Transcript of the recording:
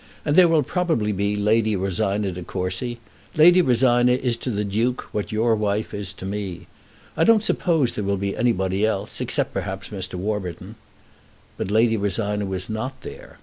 And there will probably be Lady Rosina De Courcy. Lady Rosina is to the Duke what your wife is to me. I don't suppose there will be anybody else, except, perhaps, Mr. Warburton." But Lady Rosina was not there.